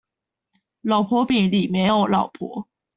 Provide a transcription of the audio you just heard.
老婆餅裡沒有老婆